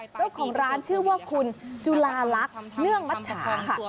เจ้าของร้านชื่อว่าคุณจุลาลักษณ์เนื่องมัชชาค่ะ